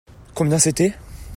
Combien c'était ?